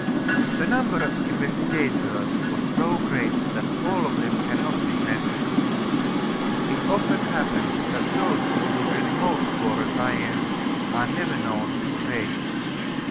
The number of investigators was so great that all of them cannot be mentioned. It often happens that those who do really most for a science are never known to fame.